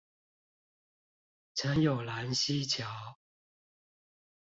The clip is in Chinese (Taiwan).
陳有蘭溪橋